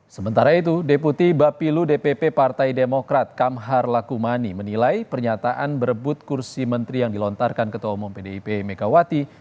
sementara itu deputi bapilu dpp partai demokrat kamhar lakumani menilai pernyataan berebut kursi menteri yang dilontarkan ketua umum pdip megawati